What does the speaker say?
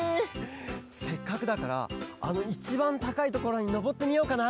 せっかくだからあのいちばんたかいところにのぼってみようかな。